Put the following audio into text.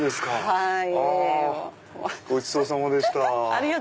はい。